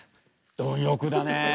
貪欲だね。